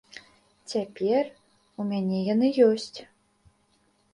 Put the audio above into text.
Цяпер у мяне яны ёсць.